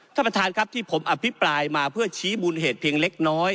ท่านประธานครับที่ผมอภิปรายมาเพื่อชี้มูลเหตุเพียงเล็กน้อย